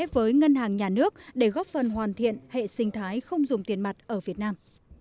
với ngân hàng nhà nước để góp phần hoàn thiện hệ sinh thái không dùng tiền mặt ở việt nam